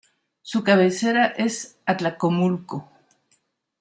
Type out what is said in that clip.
Su cabecera es Atlacomulco.